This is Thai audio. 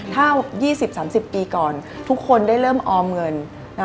ถ้า๒๐๓๐ปีก่อนทุกคนได้เริ่มออมเงิน